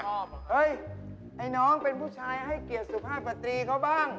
เฮ้ยไอ้น้องเป็นผู้ชายให้เกียรติสุภาพสตรีเขาบ้าง